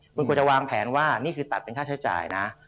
คุณควรจะวางแผนว่านี่คือตัดเป็นค่าใช้จ่ายนะ